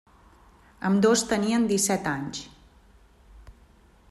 Ambdós tenien disset anys.